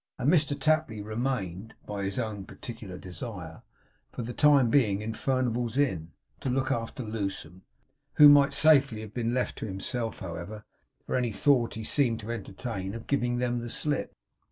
And Mr Tapley remained (by his own particular desire) for the time being in Furnival's Inn, to look after Lewsome; who might safely have been left to himself, however, for any thought he seemed to entertain of giving them the slip.